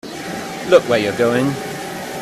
Look where you're going!